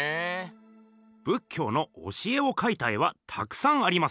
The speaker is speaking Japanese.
仏教の教えをかいた絵はたくさんあります。